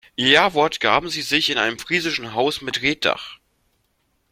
Ihr Jawort gaben sie sich in einem friesischen Haus mit Reetdach.